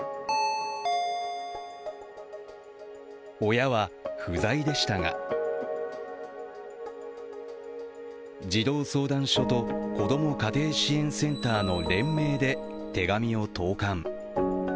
親は不在でしたが、児童相談所と子ども家庭支援センターの連名で手紙を投函。